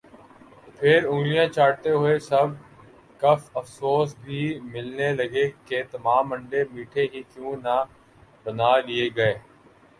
پھر انگلیاں چاٹتے ہوئے سب کف افسوس بھی ملنے لگے کہ تمام انڈے میٹھے ہی کیوں نہ بنا لئے گئے